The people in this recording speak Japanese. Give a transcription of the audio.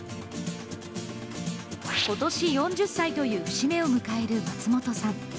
ことし、４０歳という節目を迎える松本さん。